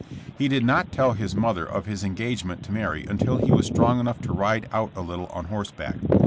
He did not tell his mother of his engagement to marry until he was strong enough to ride out a little on horseback.